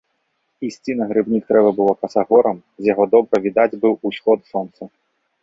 Ісці на грыбнік трэба было касагорам, з якога добра відаць быў усход сонца.